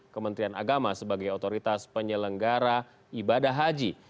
kementerian agama sebagai otoritas penyelenggara ibadah haji